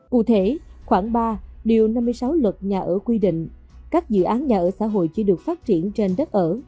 cụ thể khoảng ba điều năm mươi sáu luật nhà ở quy định các dự án nhà ở xã hội chỉ được phát triển trên đất ở